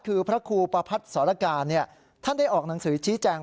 คือพระครูประพัฒน์สรการท่านได้ออกหนังสือชี้แจง